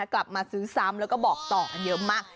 กลับมาซื้อซ้ำแล้วก็บอกต่อกันเยอะมาก